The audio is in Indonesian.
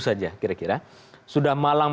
saja kira kira sudah malam